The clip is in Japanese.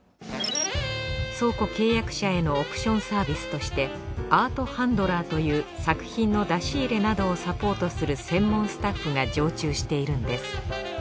倉庫契約者へのオプションサービスとしてアートハンドラーという作品の出し入れなどをサポートする専門スタッフが常駐しているんです。